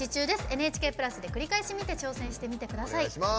「ＮＨＫプラス」で繰り返し見て挑戦してみてください。